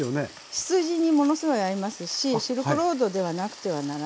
羊にものすごい合いますしシルクロードではなくてはならない。